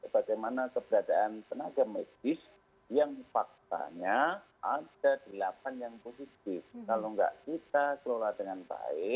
pihak rumah sakit qem menyatakan akan dilakukan mulai sabtu sembilan mei hingga delapan belas mei